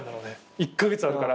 １カ月あるから。